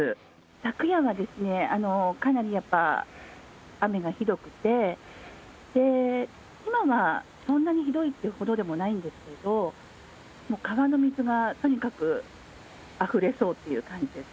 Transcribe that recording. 昨夜はかなりやっぱ雨がひどくて、今はそんなにひどいっていうほどでもないんですけど、もう川の水がとにかくあふれそうっていう感じです。